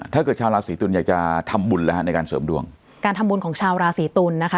ชาวราศีตุลอยากจะทำบุญแล้วฮะในการเสริมดวงการทำบุญของชาวราศีตุลนะคะ